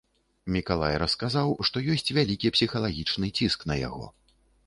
Мікалай расказаў, што ёсць вялікі псіхалагічны ціск на яго.